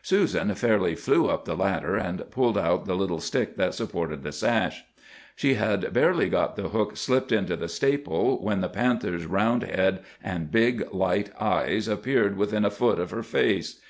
Susan fairly flew up the ladder, and pulled out the little stick that supported the sash. "She had barely got the hook slipped into the staple when the panther's round head and big light eyes appeared within a foot of her face.